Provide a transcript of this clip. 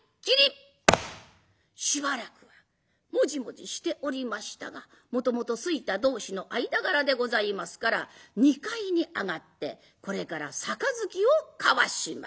しばらくはもじもじしておりましたがもともと好いた同士の間柄でございますから２階に上がってこれから杯を交わします。